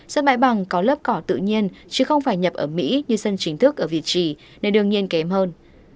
sân bãi bằng có lớp cỏ tự nhiên chứ không phải nhập ở mỹ như sân chính thức ở việt trì nên đương nhiên kém hơn